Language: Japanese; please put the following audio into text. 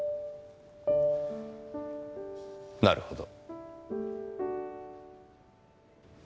なるほど。